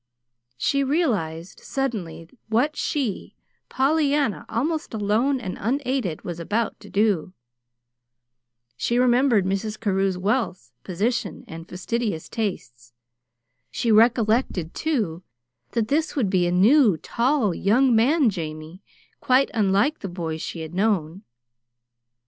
She realized suddenly what she, Pollyanna, almost alone and unaided, was about to do. She remembered Mrs. Carew's wealth, position, and fastidious tastes. She recollected, too, that this would be a new, tall, young man Jamie, quite unlike the boy she had known.